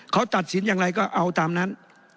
เขาตัดสินอย่างไรก็เอาตามนั้น